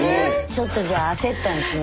ちょっとじゃあ焦ったんすね？